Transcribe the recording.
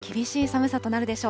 厳しい寒さとなるでしょう。